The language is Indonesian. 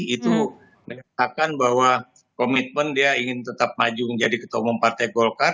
itu menyatakan bahwa komitmen dia ingin tetap maju menjadi ketua umum partai golkar